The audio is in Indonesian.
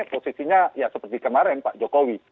posisinya ya seperti kemarin pak jokowi